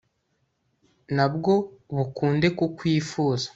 nabwo bukunde kukwifuza